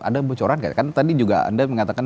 ada bocoran kan tadi juga anda mengatakan